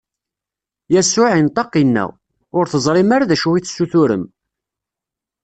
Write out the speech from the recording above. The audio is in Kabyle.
Yasuɛ inṭeq, inna: Ur teẓrim ara d acu i tessuturem!